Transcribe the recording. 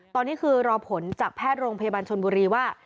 ตอนนี้คือรอผลจากแพทย์โรงพยาบาลชนบุรีว่า